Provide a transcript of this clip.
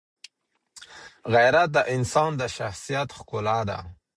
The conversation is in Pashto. غیرت د انسان د شخصیت ښکلا ده.